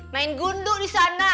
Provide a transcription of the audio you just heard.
main gunduk disana